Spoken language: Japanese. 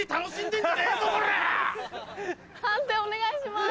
判定お願いします。